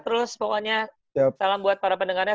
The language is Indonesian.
terus pokoknya salam buat para pendengarnya